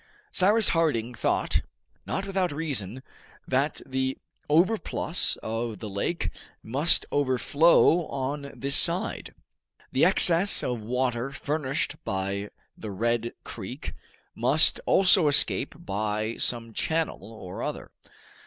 Cyrus Harding thought, not without reason, that the overplus of the lake must overflow on this side. The excess of water furnished by the Red Creek must also escape by some channel or other.